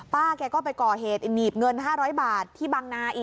แกก็ไปก่อเหตุหนีบเงิน๕๐๐บาทที่บางนาอีก